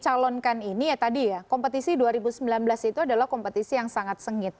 saya ingin mengingatkan bahwa partai politik ini adalah kompetisi yang sangat sengit